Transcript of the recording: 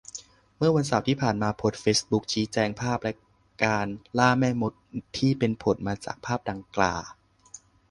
เมื่อวันเสาร์ที่ผ่านมาโพสต์เฟซบุ๊กชี้แจงภาพและการ ล่าแม่มด ที่เป็นผลจากภาพดังกล่า